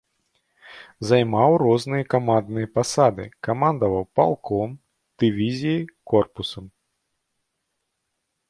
Займаў розныя камандныя пасады, камандаваў палком, дывізіяй, корпусам.